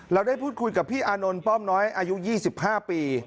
เราได้พูดคุยกับพี่อานนท์ป้อมน้อยอายุ๒๕ปี